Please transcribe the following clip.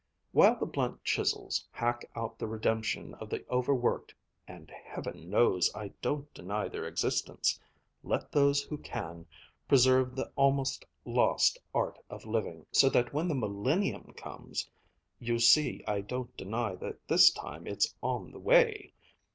While the blunt chisels hack out the redemption of the overworked (and Heaven knows I don't deny their existence), let those who can, preserve the almost lost art of living, so that when the millennium comes (you see I don't deny that this time it's on the way!)